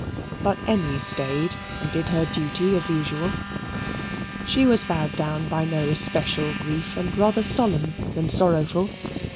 But Emmy stayed and did her duty as usual. She was bowed down by no especial grief, and rather solemn than sorrowful.